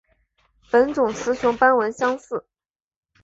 本种雌雄斑纹相似。